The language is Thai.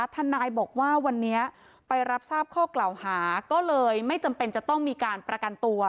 ทนายบอกว่าวันนี้ไปรับทราบข้อกล่าวหาก็เลยไม่จำเป็นจะต้องมีการประกันตัว